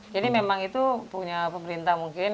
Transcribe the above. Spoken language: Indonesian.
jadi memang itu punya pemerintah mungkin